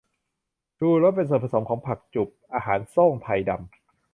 ชูรส เป็นส่วนผสมของ ผักจุบ อาหารโซ่ง ไทดำ